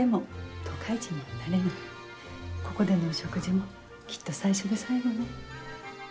ここでのお食事もきっと最初で最後ね。